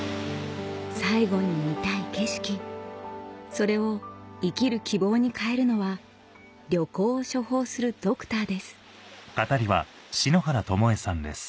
それを生きる希望に変えるのは旅行を処方するドクターです